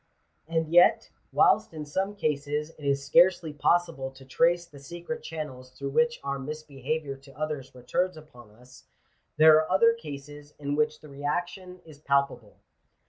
"^ And yet, whilst in some cases it is scarcely possible to trace the secret channels through which our misbehaviour to others returns upon us, there are other cases in which the reaction is palpable.